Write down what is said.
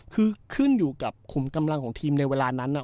คือขึ้นอยู่กับขุมกำลังของทีมในเวลานั้น